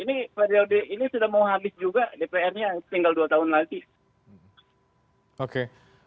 ini periode ini sudah mau habis juga dpr nya tinggal dua tahun lagi